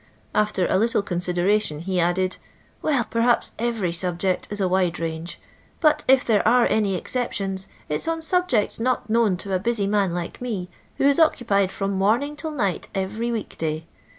After a little considen tion he added :" Well, perhaps enrv subject is a wide range ; but if there are any exceptions, it 's on subjects not known to a busy man like me, who is occupied from morning till night every week day.